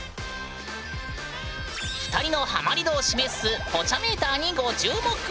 ２人のハマり度を示すポチャメーターにご注目！